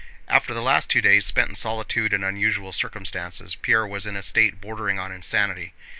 After the last two days spent in solitude and unusual circumstances, Pierre was in a state bordering on insanity.